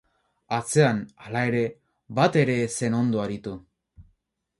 Atzean, hala ere, bat ere ez zen ondo aritu.